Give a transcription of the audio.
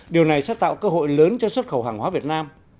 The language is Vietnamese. điều này sẽ tạo cơ hội lớn cho xuất khẩu hàng hóa việt nam